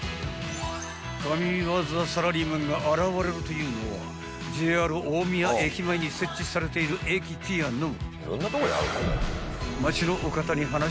［神ワザサラリーマンが現れるというのはＪＲ大宮駅前に設置されている駅ピアノ］